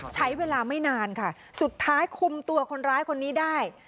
ใช้เวลาไม่นานค่ะสุดท้ายคุมตัวคนร้ายคนนี้ได้